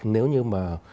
nếu như mà